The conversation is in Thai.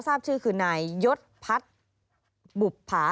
ทราบชื่อคือนายยศพัฒน์บุภา